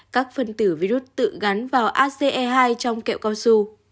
các phần tử virus tự gắn vào ace hai trong kẹo cao su